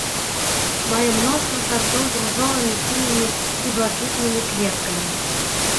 Мае мноства сартоў з ружовымі, сінімі і блакітнымі кветкамі.